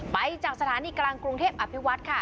ไปจากสถานีกลางกรุงเทพอภิวัฒน์ค่ะ